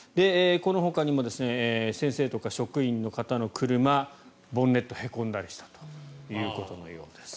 このほかにも先生とか職員の方の車ボンネット、へこんだりしたということのようです。